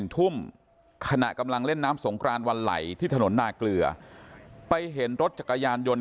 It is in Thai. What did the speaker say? ทุ่มขณะกำลังเล่นน้ำสงครานวันไหลที่ถนนนาเกลือไปเห็นรถจักรยานยนต์